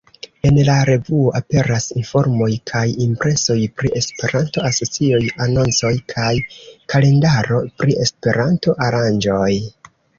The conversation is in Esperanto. En la revuo aperas informoj kaj impresoj pri Esperanto-asocioj, anoncoj kaj kalendaro pri Esperanto-aranĝoj.